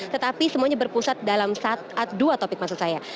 tetapi semuanya berpusat dalam dua topik maksud saya